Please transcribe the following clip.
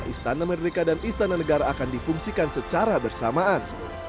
istana merdeka dan istana negara akan difungsikan secara bersamaan